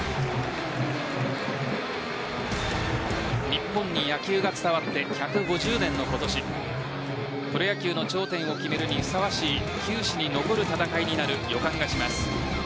日本に野球が伝わって１５０年の今年プロ野球の頂点を決めるにふさわしい球史に残る戦いになる予感がします。